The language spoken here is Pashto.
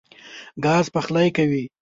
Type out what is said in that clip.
ګاز پخلی کوي.